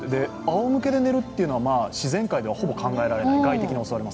あおむけで寝るというのは自然界ではほぼ考えられない。